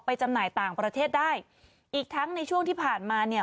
จำหน่ายต่างประเทศได้อีกทั้งในช่วงที่ผ่านมาเนี่ย